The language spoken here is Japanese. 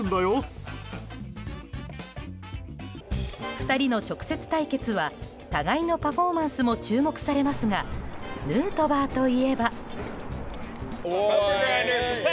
２人の直接対決は、互いのパフォーマンスも注目されますがヌートバーといえば。